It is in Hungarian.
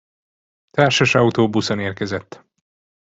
Társas autóbuszon érkezett.